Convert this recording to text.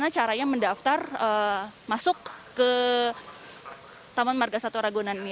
saya mendaftar masuk ke taman margasatwa ragunan ini